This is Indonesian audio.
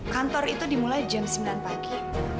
kantor itu dimulai jam sembilan pagi